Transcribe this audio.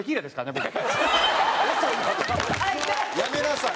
やめなさい！